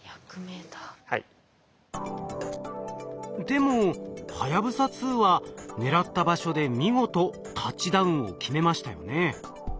でもはやぶさ２は狙った場所で見事タッチダウンを決めましたよね。